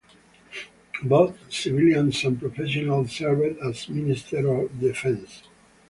Both civilians and professional served as Minister of Defense.